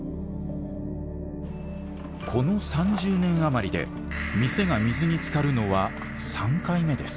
この３０年余りで店が水につかるのは３回目です。